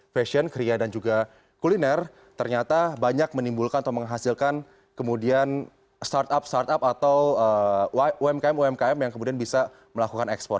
fashion kria dan juga kuliner ternyata banyak menimbulkan atau menghasilkan kemudian startup startup atau umkm umkm yang kemudian bisa melakukan ekspor